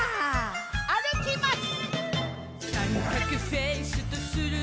あるきます。